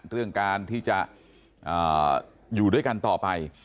เรื่องการที่จะอยู่ด้วยกันต่อไป